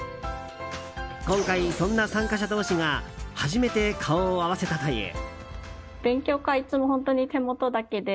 今回、そんな参加者同士が初めて顔を合わせたという。